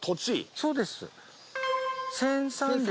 そうです。